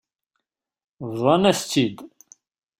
Bḍan-as-tt-id.